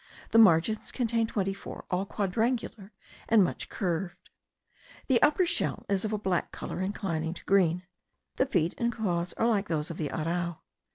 The margins contain twenty four, all quadrangular, and much curved. The upper shell is of a black colour inclining to green; the feet and claws are like those of the arrau.